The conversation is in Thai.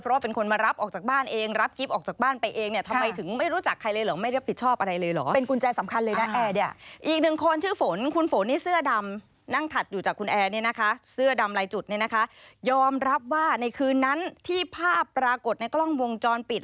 พร้อมรับว่าในคืนนั้นที่ภาพปรากฏในกล้องวงจรปิด